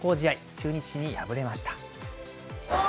中日に敗れました。